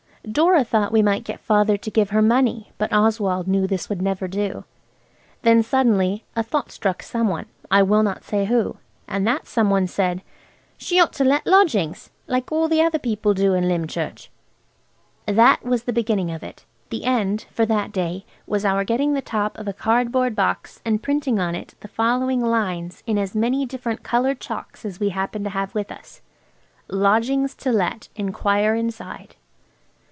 Dora thought we might get Father to give her money, but Oswald knew this would never do. Then suddenly a thought struck some one–I will not say who–and that some one said– "She ought to let lodgings, like all the other people do in Lymchurch." That was the beginning of it. The end–for that day–was our getting the top of a cardboard box and printing on it the following lines in as many different coloured chalks as we happened to have with us. LODGINGS TO LET. ENQUIRE INSIDE.